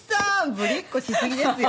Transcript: ぶりっ子しすぎですよ。